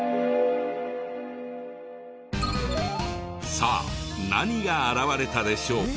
さあ何が現れたでしょうか？